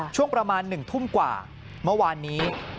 ช่วงประมาณ๑ทุ่มกว่าเมื่อวานนี้